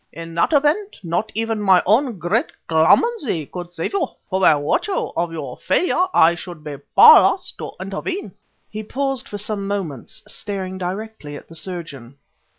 In that event not even my own great clemency could save you, for by virtue of your failure I should be powerless to intervene." He paused for some moments, staring directly at the surgeon.